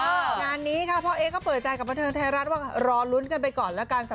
งานนี้ค่ะพ่อเอ๊ก็เปิดใจกับบันเทิงไทยรัฐว่ารอลุ้นกันไปก่อนแล้วกัน